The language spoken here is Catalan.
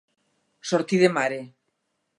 Sortir de mare.